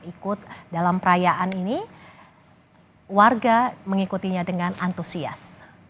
ikut dalam perayaan ini warga mengikutinya dengan antusias